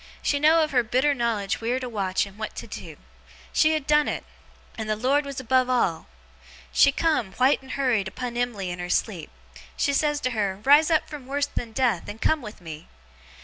She had know'd of her bitter knowledge wheer to watch and what to do. She had done it. And the Lord was above all! She come, white and hurried, upon Em'ly in her sleep. She says to her, "Rise up from worse than death, and come with me!"